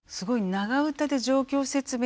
長唄で状況説明なり